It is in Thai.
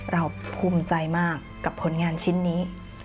เราภูมิใจมากกับผลงานชิ้นนี้